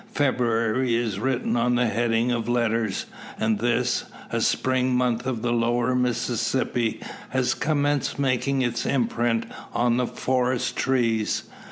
February is written on the heading of letters, and this, a Spring month on the Lower Mississippi, has commenced making its imprint on the forest trees.